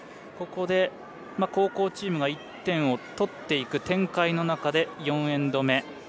ここで、後攻チームが１点を取っていく展開の中で４エンド目。